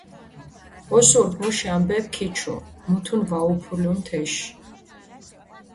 ოსურქ მუში ამბეფი ქიჩუ, მუთუნი ვაუფულუნ თეში.